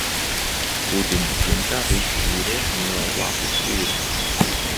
Kudiņu dzimtā visi vīrieši mīlēja labus zirgus.